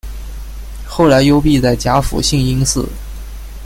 后来幽闭在甲府兴因寺。